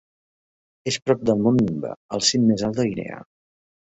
És prop del mont Nimba, el cim més alt de Guinea.